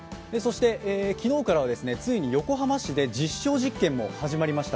昨日からはついに横浜市で実証実験も始まりました。